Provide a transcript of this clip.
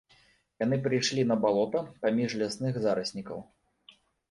Яны прыйшлі на балота, паміж лясных зараснікаў.